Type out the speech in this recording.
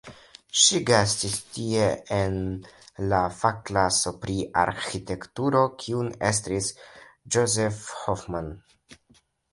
Ŝi gastis tie en la fakklaso pri arĥitekturo kiun estris Josef Hoffmann.